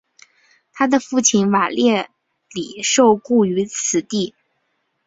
他的父亲瓦列里受雇于此地。